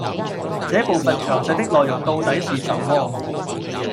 這部分詳細的內容到底是什麼